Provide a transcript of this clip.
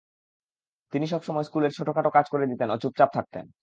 তিনি সবসময় স্কুলের ছোটখাটো কাজ করে দিতেন ও চুপচাপ থাকতেন।